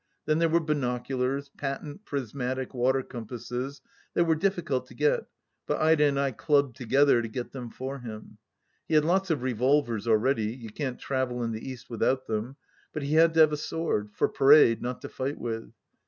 Then there were binoculars, patent prismatic water compasses, that were difficult to get, but Ida and I clubbed together to get them for him. He had lots of revolvers already — ^you can't travel in the East without them — ^but he had to have a sword — ^f or parade, not to fight with.